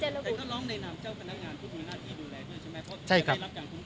แต่เข้าร้องแนะนำเจ้ากรรมนางงานควฑินหน้าที่ดูแลด้วยใช่ไหม